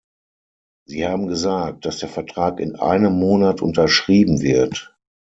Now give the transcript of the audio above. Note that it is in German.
Sie haben gesagt, dass der Vertrag in einem Monat unterschrieben wird.